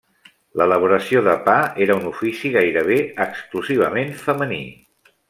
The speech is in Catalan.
L'elaboració de pa era un ofici gairebé exclusivament femení.